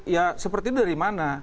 ya seperti itu dari mana